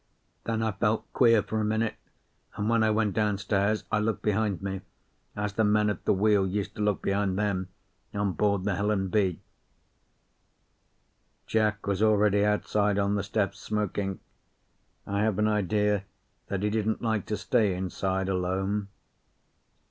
Then I felt queer for a minute, and when I went downstairs I looked behind me, as the men at the wheel used to look behind them on board the Helen B. Jack was already outside on the steps, smoking. I have an idea that he didn't like to stay inside alone.